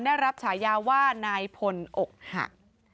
ได้รับฉายาว่าในพนศ์อกหัก